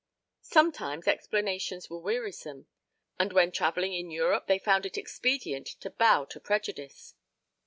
Sometimes explanations were wearisome; and when travelling in Europe they found it expedient to bow to prejudice.